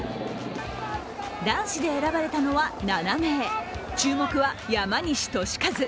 男子で選ばれたのは７名、注目は山西利和。